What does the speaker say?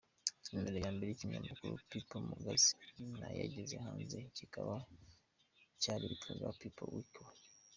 Numero ya mbere y’ikinyamakuru People Magazine yageze hanze, kikaba cyaritwaga People Weekly.